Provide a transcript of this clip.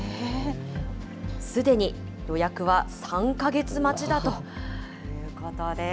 すでに予約は３か月待ちだということです。